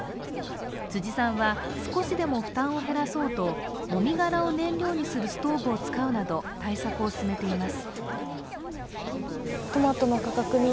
辻さんは、少しでも負担を減らそうともみ殻を燃料にするストーブを使うなど対策を進めています。